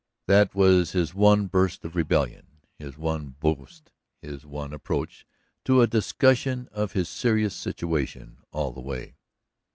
That was his one burst of rebellion, his one boast, his one approach to a discussion of his serious situation, all the way.